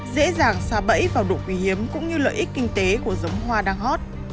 dễ dàng xa bẫy vào độ quý hiếm cũng như lợi ích kinh tế của giống hoa đang hot